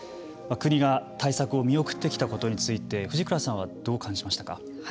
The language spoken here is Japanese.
国が対策を見送ってきたことについて藤倉さんはどう感じましたか。